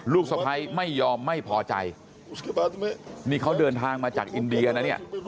สะพ้ายไม่ยอมไม่พอใจนี่เขาเดินทางมาจากอินเดียนะเนี่ย